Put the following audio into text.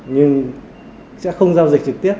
nhưng sẽ không giao dịch trực tiếp